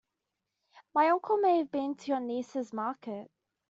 My uncle may have been to your niece's market.